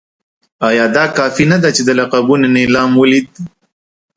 ایا دا کافي نه ده چې د لقبونو نېلام ولید.